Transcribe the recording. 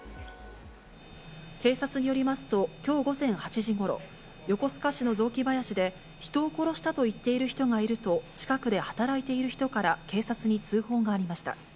警察によりますと、きょう午前８時ごろ、横須賀市の雑木林で、人を殺したと言っている人がいると、近くで働いている人から警察に通報がありました。